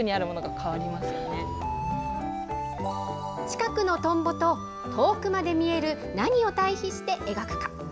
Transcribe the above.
近くのトンボと、遠くまで見える何を対比して描くか。